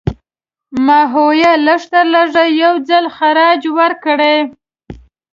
ماهویه لږترلږه یو ځل خراج ورکړی.